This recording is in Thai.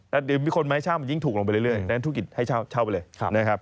แล้วมีคนไม่ให้เช่ามันยิ่งถูกลงไปเรื่อยดังนั้นธุรกิจให้เช่าไปเลย